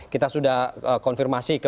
kita sudah konfirmasi ke